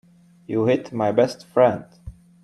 You hit my best friend.